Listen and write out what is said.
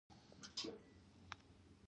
هغوی دا پیسې په خپل شخصي ژوند باندې لګوي